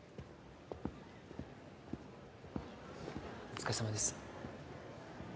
お疲れさまです。